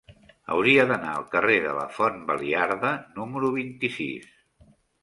Hauria d'anar al carrer de la Font Baliarda número vint-i-sis.